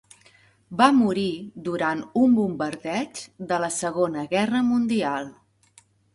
Va morir durant un bombardeig de la Segona Guerra Mundial.